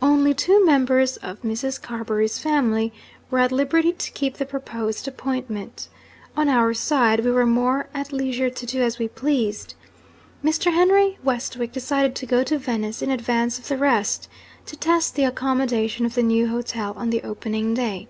Only two members of Mrs. Carbury's family were at liberty to keep the proposed appointment. On our side we were more at leisure to do as we pleased. Mr. Henry Westwick decided to go to Venice in advance of the rest, to test the accommodation of the new hotel on the opening day.